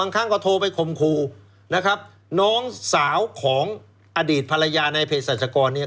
ครั้งก็โทรไปคมครูนะครับน้องสาวของอดีตภรรยาในเพศรัชกรเนี่ย